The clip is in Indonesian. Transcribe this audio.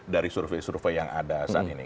dari survei survei yang ada saat ini